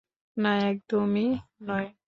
না, একদমই নয়!